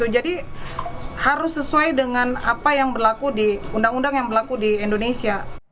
harus sesuai dengan apa yang berlaku di undang undang yang berlaku di indonesia